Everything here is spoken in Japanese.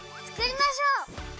つくりましょう！